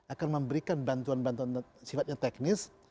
akan memberikan bantuan bantuan sifatnya teknis